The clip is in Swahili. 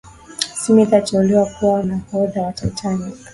smith aliteuliwa kuwa nahodha wa titanic